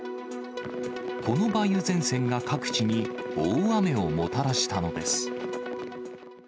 この梅雨前線が各地に大雨をもたらしたのです。